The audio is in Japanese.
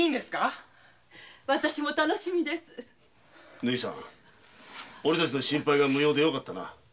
縫さんオレたちの心配が無用でよかったな。